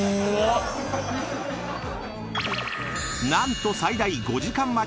［何と最大５時間待ち⁉］